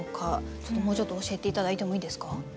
ちょっともうちょっと教えて頂いてもいいですか？